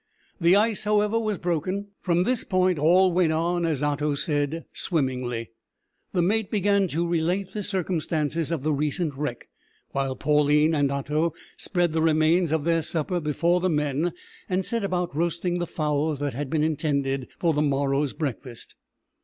The ice, however, was broken. From this point all went on, as Otto said, swimmingly. The mate began to relate the circumstances of the recent wreck, while Pauline and Otto spread the remains of their supper before the men, and set about roasting the fowls that had been intended for the morrow's breakfast.